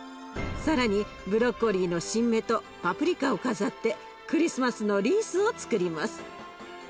更にブロッコリーの新芽とパプリカを飾ってクリスマスのリースをつくります。